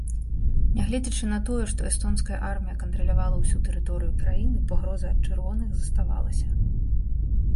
Нягледзячы на тое, што эстонская армія кантралявала ўсю тэрыторыю краіны, пагроза ад чырвоных заставалася.